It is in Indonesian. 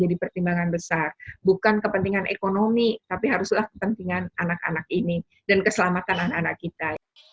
jadi pertimbangan besar bukan kepentingan ekonomi tapi haruslah kepentingan anak anak ini dan keselamatan anak anak kita